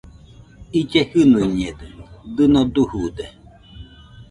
Ille jɨnuiñede, dɨno dujude